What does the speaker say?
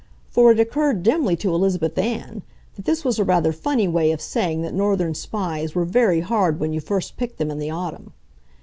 For it occurred dimly to Elizabeth Ann that this was a rather funny way of saying that Northern Spies were very hard when you first pick them in the autumn.